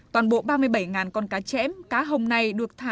toàn bộ ba mươi bảy con cá chẽm cá hồng này được thả